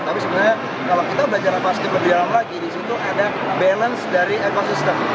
tapi sebenarnya kalau kita belajar pasti berjalan lagi di situ ada balance dari ekosistem